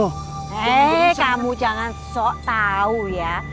hehehe kamu jangan sok tau ya